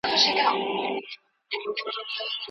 بریالی څېړونکی به خپله موضوع په سمه توګه روښانه کړي.